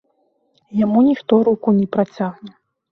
Яму ніхто руку не працягне.